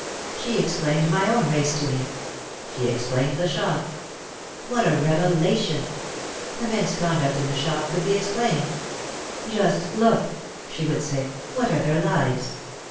She explained my own race to me. She explained the shop. What a revelation ! The men's conduct in the shop could be explained! "Just look," she would say, "what are their lives?